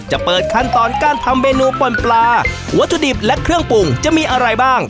เปิดขั้นตอนการทำเมนูป่นปลาวัตถุดิบและเครื่องปรุงจะมีอะไรบ้าง